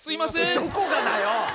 どこがだよ！